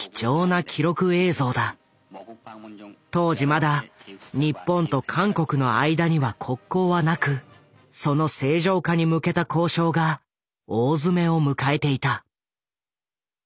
当時まだ日本と韓国の間には国交はなくその正常化に向けた交渉が大詰めを迎えていた。